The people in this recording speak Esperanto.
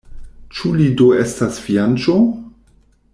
Ĉu li do estas fianĉo?